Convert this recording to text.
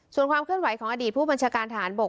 ส่วนความเคลื่อนไหวของอดีตผู้บัญชาการทหารบก